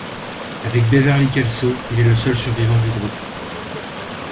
Avec Beverley Kelso, il est le seul survivant du groupe.